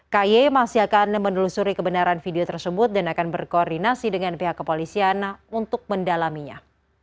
ky masih akan menelusuri kebenaran video tersebut dan akan berkoordinasi dengan pihak kepolisian untuk mendalaminya